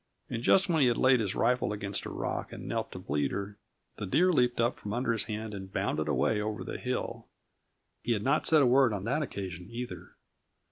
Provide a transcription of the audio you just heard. And just when he had laid his rifle against a rock and knelt to bleed her, the deer leaped from under his hand and bounded away over the hill. He had not said a word on that occasion, either.